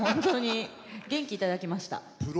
元気をいただきました。